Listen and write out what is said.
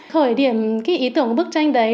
khởi điểm cái ý tưởng của bức tranh đấy